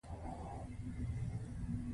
هغه وايي چې ما په دې توکو ارزښت زیات کړ